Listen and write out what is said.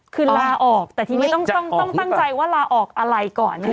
คือลาออกแต่ทีนี้ต้องตั้งใจว่าลาออกอะไรก่อน